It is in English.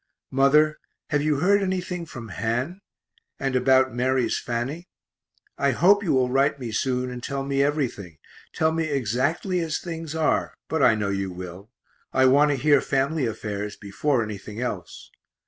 Mother, have you heard anything from Han? And about Mary's Fanny I hope you will write me soon and tell me everything, tell me exactly as things are, but I know you will I want to hear family affairs before anything else.